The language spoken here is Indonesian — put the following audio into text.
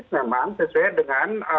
memang sesuai dengan